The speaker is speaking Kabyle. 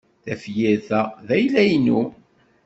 Tafyirt-a d ayla-inu.